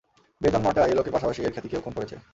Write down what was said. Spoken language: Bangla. বেজন্মাটা এ লোকের পাশাপাশি এর খ্যাতিকেও খুন করেছে।